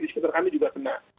di sekitar kami juga kena